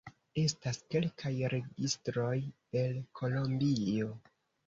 Estas kelkaj registroj el Kolombio.